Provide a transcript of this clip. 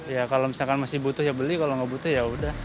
ya kalau misalkan masih butuh ya beli kalau nggak butuh ya udah